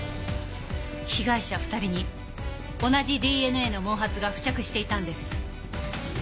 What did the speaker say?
被害者２人に同じＤＮＡの毛髪が付着していたんです。